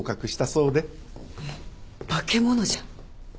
えっ化け物じゃん。